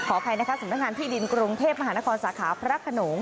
อภัยนะคะสำนักงานที่ดินกรุงเทพมหานครสาขาพระขนง